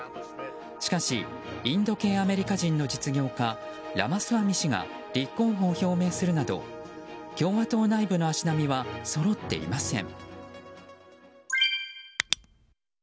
しかしインド系アメリカ人の実業家ラマスワミ氏が立候補を表明するなど共和党内部の足並みはそろっていません。